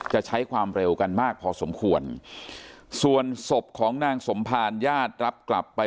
จะใช้ความเร็วกันมากพอสมควรส่วนศพของนางสมภารญาติรับกลับไป